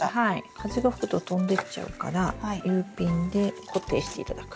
風が吹くと飛んでっちゃうからＵピンで固定して頂く。